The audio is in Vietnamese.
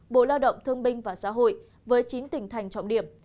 bộ lao động thương binh và xã hội với chín tỉnh thành trọng điểm